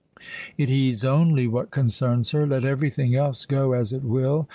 It heeds only what concerns her. Let everything else go as it will.